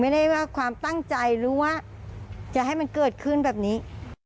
ไม่ได้ว่าความตั้งใจหรือว่าจะให้มันเกิดขึ้นแบบนี้